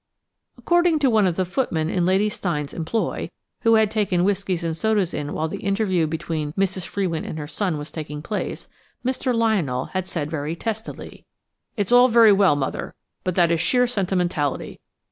According to one of the footmen in Lady Steyne's employ, who had taken whiskies and sodas in while the interview between Mrs. Frewin and her son was taking place, Mr. Lionel had said very testily: "It's all very well, mother, but that is sheer sentimentality.